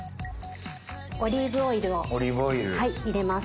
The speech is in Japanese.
オリーブオイルを入れます。